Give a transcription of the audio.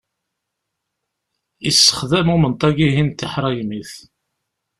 Issexdam umenṭag-ihin tiḥraymit.